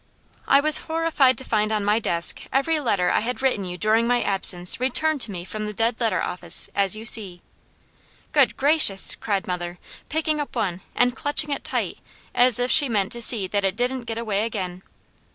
"'I was horrified to find on my desk every letter I had written you during my absence returned to me from the Dead Letter Office, as you see.'" "Good gracious!" cried mother, picking up one and clutching it tight as if she meant to see that it didn't get away again.